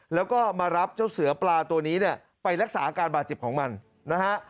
แล้วก็มารับเจ้าเสือปลาตัวนี้เนี่ยไปรักษาอาการบาดเจ็บของมันนะฮะ